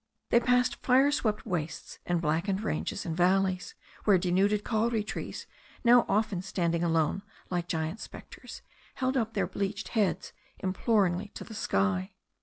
They passed fire swept wastes, and blackened ranges and valleys, where denuded kauri trees, now often standing alone like giant spectres, held up their bleached heads imploringly to the sky.